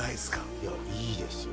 いやいいですよ